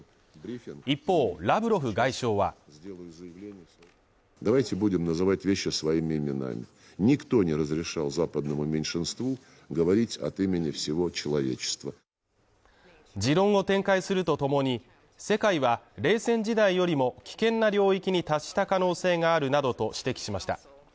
一方、ラブロフ外相は持論を展開するとともに、世界は冷戦時代よりも危険な領域に達した可能性があるなどと指摘しました。